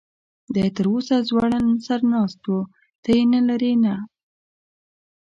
دی تراوسه ځوړند سر ناست و، ته یې نه لرې؟ نه.